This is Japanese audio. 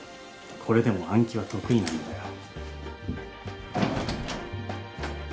これでも暗記は得意なんだよ。